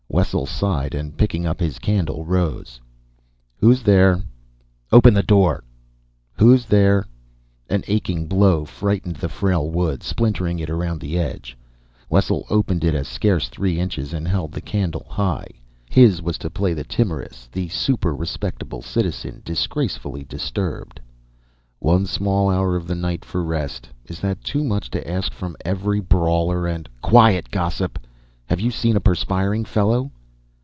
Wessel sighed and, picking up his candle, rose. "Who's there?" "Open the door!" "Who's there?" An aching blow frightened the frail wood, splintered it around the edge. Wessel opened it a scarce three inches, and held the candle high. His was to play the timorous, the super respectable citizen, disgracefully disturbed. "One small hour of the night for rest. Is that too much to ask from every brawler and " "Quiet, gossip! Have you seen a perspiring fellow?"